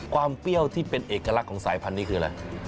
เปรี้ยวที่เป็นเอกลักษณ์ของสายพันธุ์นี้คืออะไร